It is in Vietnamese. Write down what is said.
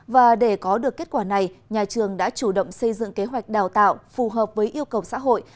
và để có được kết quả này nhà trường đã chủ động xây dựng kế hoạch đào tạo phù hợp với yêu cầu xã hội